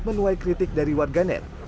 menuai kritik dari warganet